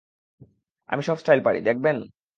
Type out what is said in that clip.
আমি সব স্টাইল পারি, দেখবেন?